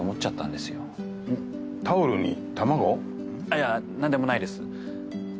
あっいや何でもないです。